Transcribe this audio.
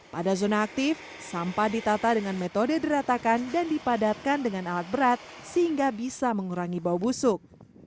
pada zona aktif sampah ditata dengan metode diratakan dan dipadatkan dengan alat berat sehingga bisa mengurangi bau busuk